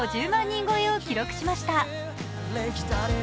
人超えを記録しました。